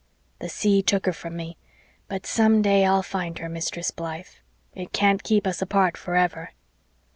The sea took her from me, but some day I'll find her. Mistress Blythe. It can't keep us apart forever."